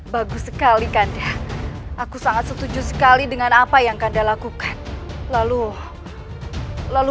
bagus sekali kanda aku sangat setuju sekali dengan apa yang kanda lakukan lalu lalu